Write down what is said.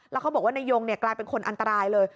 แล้วเขาบอกว่านายยงกลายเป็นคนอันตรายเลย